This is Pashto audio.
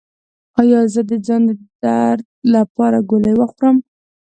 ایا زه د ځان درد لپاره ګولۍ وخورم؟